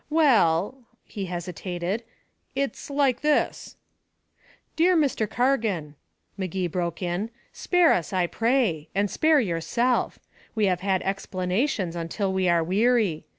"Well " he hesitated "it's like this " "Dear Mr. Cargan," Magee broke in, "spare us, I pray. And spare yourself. We have had explanations until we are weary.